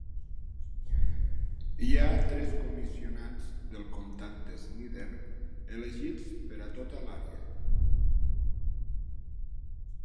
Hi ha tres comissionats del comtat de Snyder elegits per a tota l'àrea.